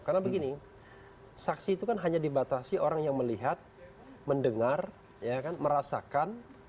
karena begini saksi itu kan hanya dibatasi orang yang melihat mendengar merasakan